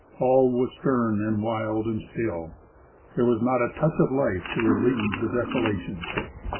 All Avas stern and wild and still ; there was not a touch of life to relieve the deso lation.